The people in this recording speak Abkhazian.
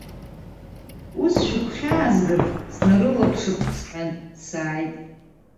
Ус шәыгәхьаазган, снарылаԥшып сҳәан, сааит.